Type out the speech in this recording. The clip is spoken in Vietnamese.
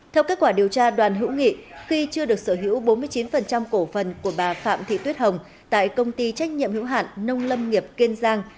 theo kết quả điều tra đoàn hữu nghị khi chưa được sở hữu bốn mươi chín cổ phần của bà phạm thị tuyết hồng tại công ty trách nhiệm hữu hạn nông lâm nghiệp kiên giang